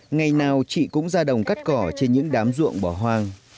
ngày nào chị cũng ra đồng cắt cỏ trên những đám ruộng bỏ hoang